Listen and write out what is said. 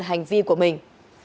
hành vi của mình